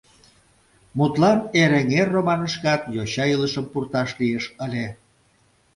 Мутлан, «Эреҥер» романышкат йоча илышым пурташ лиеш ыле.